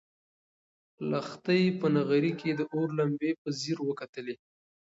لښتې په نغري کې د اور لمبې په ځیر وکتلې.